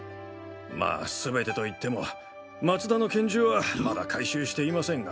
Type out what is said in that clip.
まぁ全てといっても松田の拳銃はまだ回収していませんが。